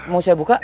mau saya buka